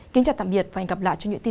kính chào tạm biệt và hẹn gặp lại